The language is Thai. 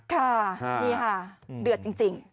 ค่ะนี่ค่ะเดือดจริง